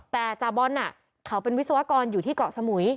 แต่จาบอลเขาเป็นวิศวกรอยู่ที่เกาะสมุย